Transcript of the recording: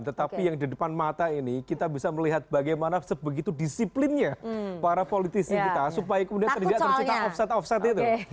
tetapi yang di depan mata ini kita bisa melihat bagaimana sebegitu disiplinnya para politisi kita supaya kemudian tidak tercipta offset offset itu